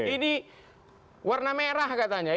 ini warna merah katanya